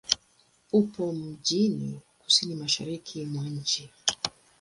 Upo mjini kusini-mashariki mwa nchi.